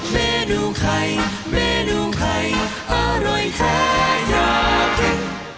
เมนูไข่เมนูไข่อร่อยแท้อยากกิน